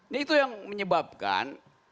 nah itu yang menyebabkan